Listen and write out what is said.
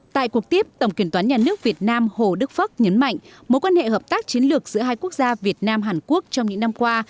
tại cuộc tiếp tổng kiểm toán nhà nước việt nam hồ đức phất nhấn mạnh mối quan hệ hợp tác chiến lược giữa hai quốc gia việt nam hàn quốc trong những năm qua